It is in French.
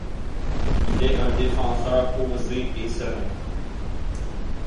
Il est un défenseur posé et serein.